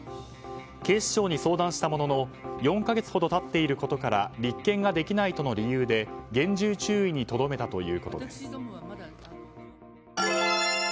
警視庁に相談したものの４か月ほど経っていることから立件ができないとの理由で厳重注意にとどめたということです。